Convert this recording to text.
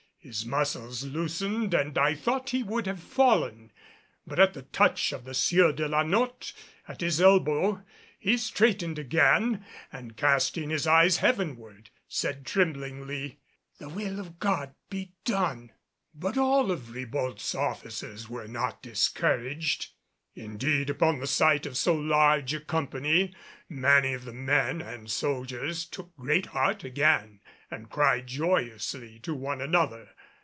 His muscles loosened and I thought he would have fallen. But at the touch of the Sieur de la Notte at his elbow, he straightened again and casting his eyes heavenward, said tremblingly, "The will of God be done!" But all of Ribault's officers were not discouraged. Indeed upon the sight of so large a company many of the men and soldiers took great heart again and cried joyously to one another.